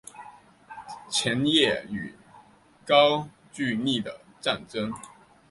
前燕与高句丽的战争